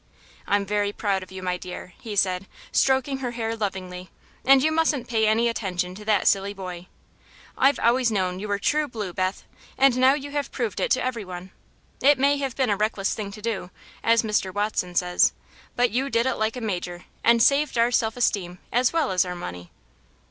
"I'm very proud of you, my dear," he said, stroking her hair lovingly, "and you mustn't pay any attention to that silly boy. I've always known you were true blue, Beth, and now you have proved it to everyone. It may have been a reckless thing to do, as Mr. Watson says, but you did it like a major, and saved our self esteem as well as our money."